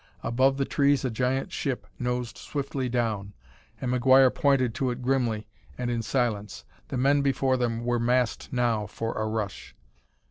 Above the trees a giant ship nosed swiftly down, and McGuire pointed to it grimly and in silence. The men before them were massed now for a rush.